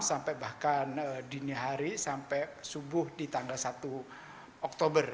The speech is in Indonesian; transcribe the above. sampai bahkan dini hari sampai subuh di tanggal satu oktober